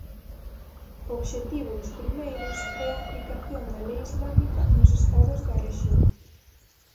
O obxectivo dos primeiros é a aplicación da lei islámica nos estados da rexión.